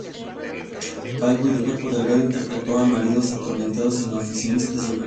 Calvo y de cuerpo delgado, interpretó a maridos atormentados, oficinistas y operarios.